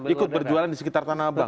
ikut berjualan di sekitar tanah abang